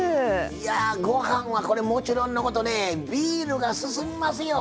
いやご飯はこれもちろんのことねビールが進みますよ